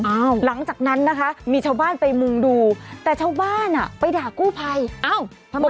หลังจากนั้นนะคะมีชาวบ้านไปมุ่งดูแต่ชาวบ้านอ่ะไปด่ากู้ภัยอ้าวทำไม